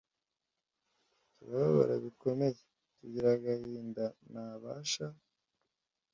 turababara bikomeye, tugira agahinda ntabasha